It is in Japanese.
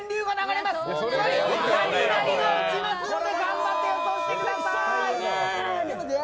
つまり、雷が落ちますので頑張って予想してください！